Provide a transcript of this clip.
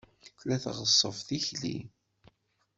Tella tɣeṣṣeb tikli.